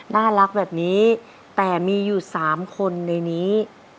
น่ารักแบบนี้แต่มีอยู่๓คนในนี้